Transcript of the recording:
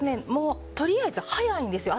とりあえず早いんですよ